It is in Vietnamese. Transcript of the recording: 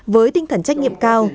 với tinh thần trách nhiệm cao